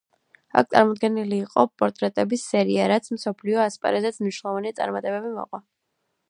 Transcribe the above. აქ წარმოდგენილი იყო პორტრეტების სერია, რასაც მსოფლიო ასპარეზზეც მნიშვნელოვანი წარმატებები მოჰყვა.